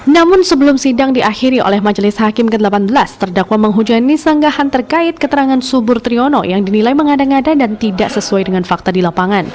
namun sebelum sidang diakhiri oleh majelis hakim ke delapan belas terdakwa menghujani sanggahan terkait keterangan subur triyono yang dinilai mengada ngada dan tidak sesuai dengan fakta di lapangan